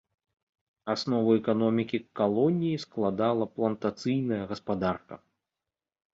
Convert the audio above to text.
Аснову эканомікі калоніі складала плантацыйная гаспадарка.